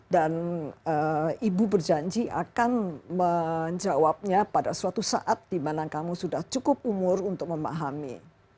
dan ibu berjanji akan menjawabnya pada suatu saat di mana kamu sudah cukup umur untuk memahami